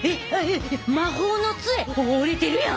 魔法のつえお折れてるやん。